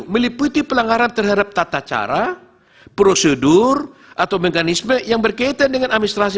meliputi pelanggaran terhadap tata cara prosedur atau mekanisme yang berkaitan dengan administrasi